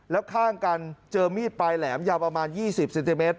แล้วข้างกันเจอมีดปลายแหลมยาวประมาณ๒๐เซนติเมตร